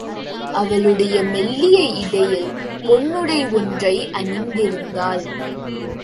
அவளுடைய மெல்லிய இடையில் பொன்னுடை ஒன்றை அணிந்திருந்தாள்.